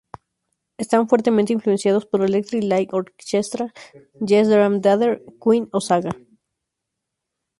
Están fuertemente influenciados por Electric Light Orchestra, Yes, Dream Theater, Queen o Saga.